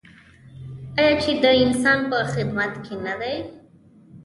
آیا چې د انسان په خدمت کې نه دی؟